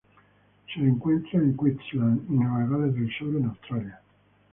Se le encuentra en Queensland, y Nueva Gales del Sur en Australia.